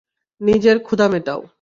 নিজের ক্ষুদা মেটাও!